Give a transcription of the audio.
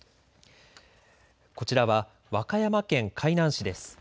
こちらは和歌山県海南市です。